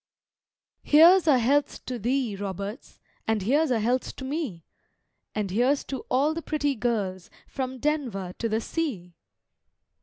Here's a health to thee, Roberts, And here's a health to me; And here's to all the pretty girls From Denver to the sea!